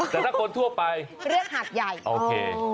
แต่ถ้าคนทั่วไปเรียกหาดใหญ่โอเค